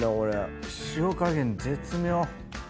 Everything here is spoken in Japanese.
塩加減絶妙。